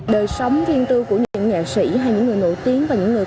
đời sống riêng tư của những nghệ sĩ hay những người nổi tiếng